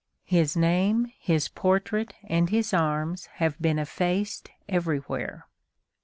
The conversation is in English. His name, his portrait, and his arms have been effaced everywhere.